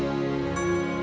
betapa cintanya papa sama kamu